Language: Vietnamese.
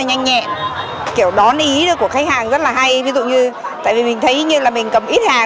nhanh nhẹn kiểu đón ý của khách hàng rất là hay ví dụ như tại vì mình thấy như là mình cầm ít hàng